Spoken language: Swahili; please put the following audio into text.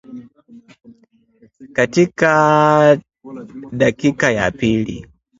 Katika dakika ya pili